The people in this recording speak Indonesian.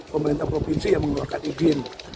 pemerintah provinsi yang mengeluarkan izin